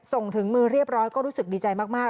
ถึงมือเรียบร้อยก็รู้สึกดีใจมาก